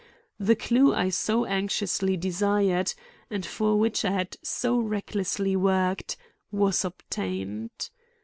The clue I so anxiously desired and for which I had so recklessly worked, was obtained.